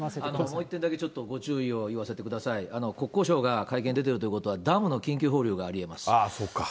もう一点だけちょっとご注意を言わせてください、国交省が会見出ているということは、ダムの緊急放流がありえます。